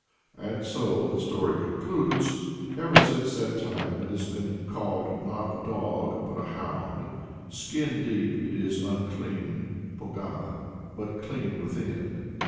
And so the story concludes "ever since that time it has been called not a dog but a hound skin deep it is unclean (pogana), but clean within."